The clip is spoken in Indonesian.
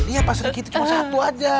iya pak dikitin cuma satu aja